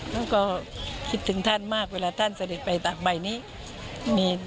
แล้วก็คิดถึงท่านมากเวลาท่านเสด็จไปตากใบนี้